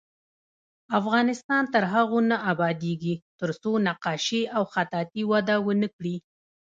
افغانستان تر هغو نه ابادیږي، ترڅو نقاشي او خطاطي وده ونه کړي.